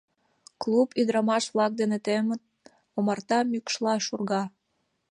Клуб ӱдырамаш-влак дене темын, омарта мӱкшла шурга.